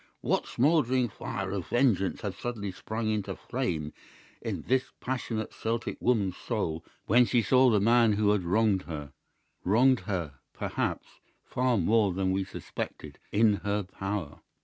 "What smouldering fire of vengeance had suddenly sprung into flame in this passionate Celtic woman's soul when she saw the man who had wronged her—wronged her, perhaps, far more than we suspected—in her power?